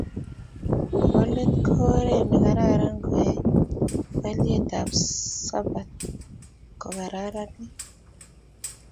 Nebo let ko oret ne karan koyae haliyet ab sabat kokaranit